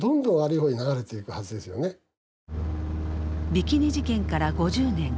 ビキニ事件から５０年。